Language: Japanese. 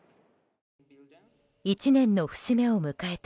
１年の節目を迎えた